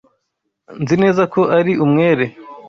Nzi neza ko ari umwere.